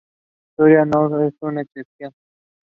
She finds her love for poetry as an escape from the reality.